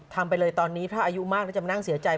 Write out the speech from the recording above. ไปเลยตอนนี้ถ้าอายุมากแล้วจะมานั่งเสียใจ